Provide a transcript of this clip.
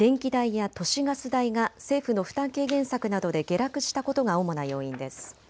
電気代や都市ガス代が政府の負担軽減策などで下落したことが主な要因です。